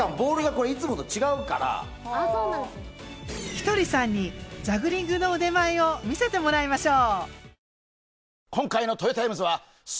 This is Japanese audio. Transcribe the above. ひとりさんにジャグリングの腕前を見せてもらいましょう。